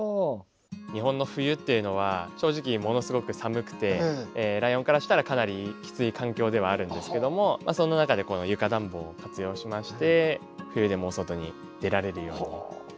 日本の冬っていうのは正直ものすごく寒くてライオンからしたらかなりきつい環境ではあるんですけどもその中でこの床暖房を活用しまして冬でも外に出られるように。